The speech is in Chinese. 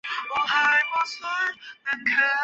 正德十六年赦还。